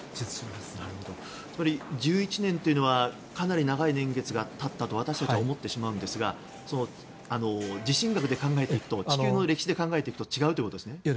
つまり１１年というのはかなり長い年月が経ったと私たちは思ってしまうんですが地震学で考えると地球の歴史で考えていくと違うということですね。